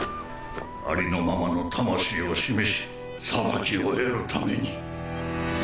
ありのままの魂を示し裁きを得るために。